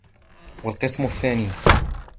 وَالْقِسْمُ الثَّانِي